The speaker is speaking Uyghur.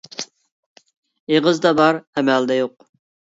ئېغىزدا بار، ئەمەلدە يوق.